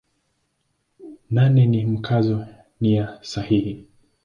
Nane ni Mkazo nia sahihi.